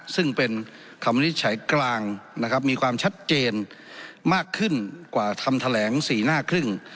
ซึ่งเป็นคำวินิจฉัยกลางนะครับมีความชัดเจนมากขึ้นกว่าคำแถลง๔หน้าครึ่ง